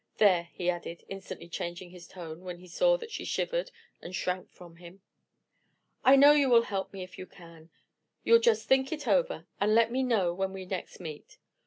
"There," he added, instantly changing his tone when he saw that she shivered and shrank from him. "I know you will help me if you can. You'll just think it over, and let me know when next we meet.